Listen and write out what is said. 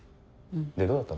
でどうだったの？